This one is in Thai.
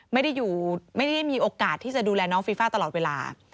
ไม่ได้มีโอกาสที่จะดูแลน้องฟีฟ่าตลอดเวลา